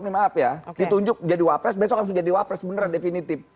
ditunjuk jadi wafres besok kan harus jadi wafres beneran definitif